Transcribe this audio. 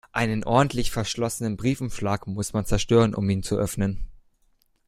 Einen ordentlich verschlossenen Briefumschlag muss man zerstören, um ihn zu öffnen.